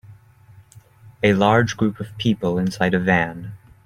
A large group of people inside a van